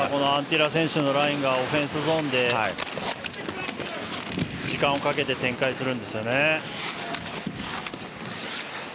アンティラ選手のラインがオフェンスゾーンで時間をかけて展開するんですよね。